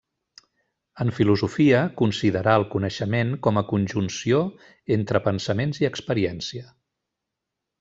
En filosofia, considerà el coneixement com a conjunció entre pensaments i experiència.